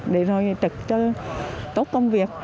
để rồi trực cho tốt công việc